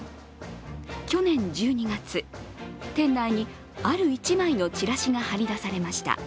去年１２月、店内にある一枚のチラシが貼り出されました。